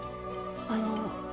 あの。